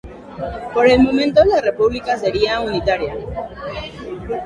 Por el momento la República sería unitaria.